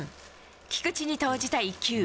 菊池に投じた１球。